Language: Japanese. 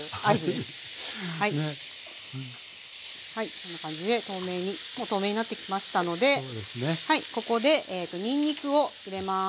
こんな感じでもう透明になってきましたのでここでにんにくを入れます。